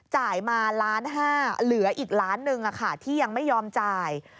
จ่ายมาล้านห้าเหลืออีกล้านหนึ่งที่ยังไม่ยอมจ่าย